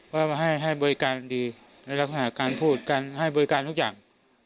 เพราะมันให้บริการดีในรักษณะการพูดให้บริการทุกอย่าง